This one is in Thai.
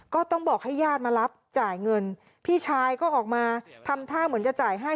ก็ต้องบอกให้ญาติมารับจ่ายเงินพี่ชายก็ออกมาทำท่าเหมือนจะจ่ายให้